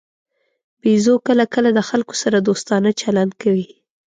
بیزو کله کله د خلکو سره دوستانه چلند کوي.